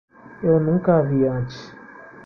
Eu nunca a vi antes.